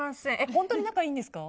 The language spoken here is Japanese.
本当に仲いいんですか？